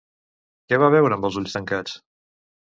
Què va veure amb els ulls tancats?